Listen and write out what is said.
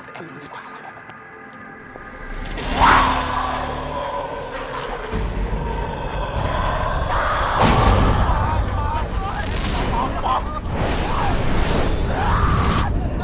ไปเพิ่ม